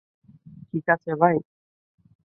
ঠিক আছে, ভাই?